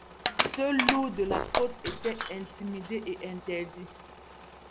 Ce loup de la côte était intimidé et interdit.